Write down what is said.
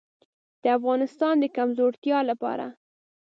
د افغانستان د کمزورتیا لپاره.